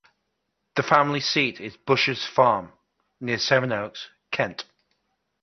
The family seat is Bushes Farm, near Sevenoaks, Kent.